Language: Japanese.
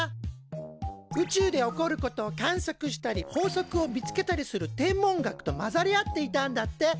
宇宙で起こることを観測したり法則を見つけたりする天文学と混ざり合っていたんだって。